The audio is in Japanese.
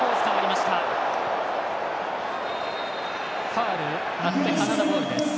ファウル、カナダボールです。